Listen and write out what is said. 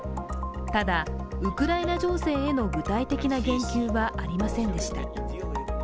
ただ、ウクライナ情勢への具体的な言及はありませんでした。